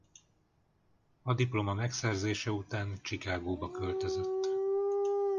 A diploma megszerzése után Chicagóba költözött.